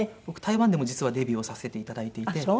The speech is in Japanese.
僕台湾でも実はデビューをさせていただいていて。